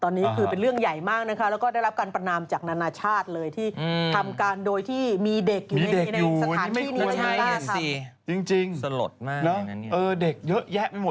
ตอนนี้คือเป็นเรื่องใหญ่มากนะคะแล้วก็ได้รัพพรรณ์พนามจากนานาชาติเลย